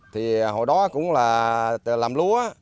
thì hồi đó cũng là làm lúa